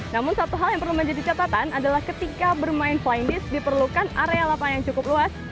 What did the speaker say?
namun satu hal yang perlu menjadi catatan adalah ketika bermain flying disk diperlukan area lapangan yang cukup luas